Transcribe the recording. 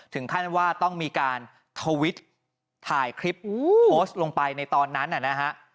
ถึงขั้นว่าต้องมีการทวิตถ่ายคลิปโพสต์ลงไปในตอนนั้นนะฮะ